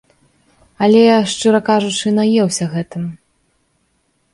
Але, шчыра кажучы, наеўся гэтым.